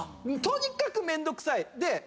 とにかくめんどくさい！